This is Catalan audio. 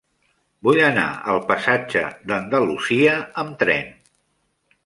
Vull anar al passatge d'Andalusia amb tren.